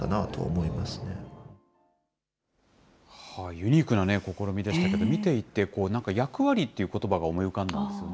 ユニークな試みでしたけど、見ていてなんか、役割ってことばが思い浮かんだんですよね。